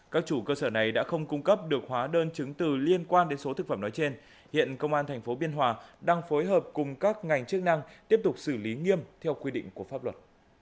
các chủ cơ sở này đã không cung cấp được hóa đơn chứng từ liên quan đến số thực phẩm nói trên hiện công an tp biên hòa đang phối hợp cùng các ngành chức năng tiếp tục xử lý nghiêm theo quy định của pháp luật